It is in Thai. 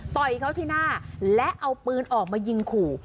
ต่อยเขาที่หน้าและเอาปืนออกมายิงขู่